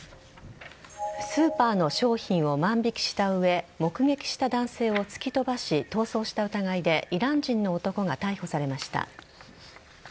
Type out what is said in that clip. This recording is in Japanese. スーパーの商品を万引きした上目撃した男性を突き飛ばし逃走した疑いでイラン人の男が逮捕されました。